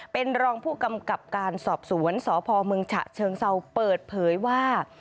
เป็นรองผู้กำกับการสอบสวนสพเมืองฉะเชิงเซาเปิดเผยว่า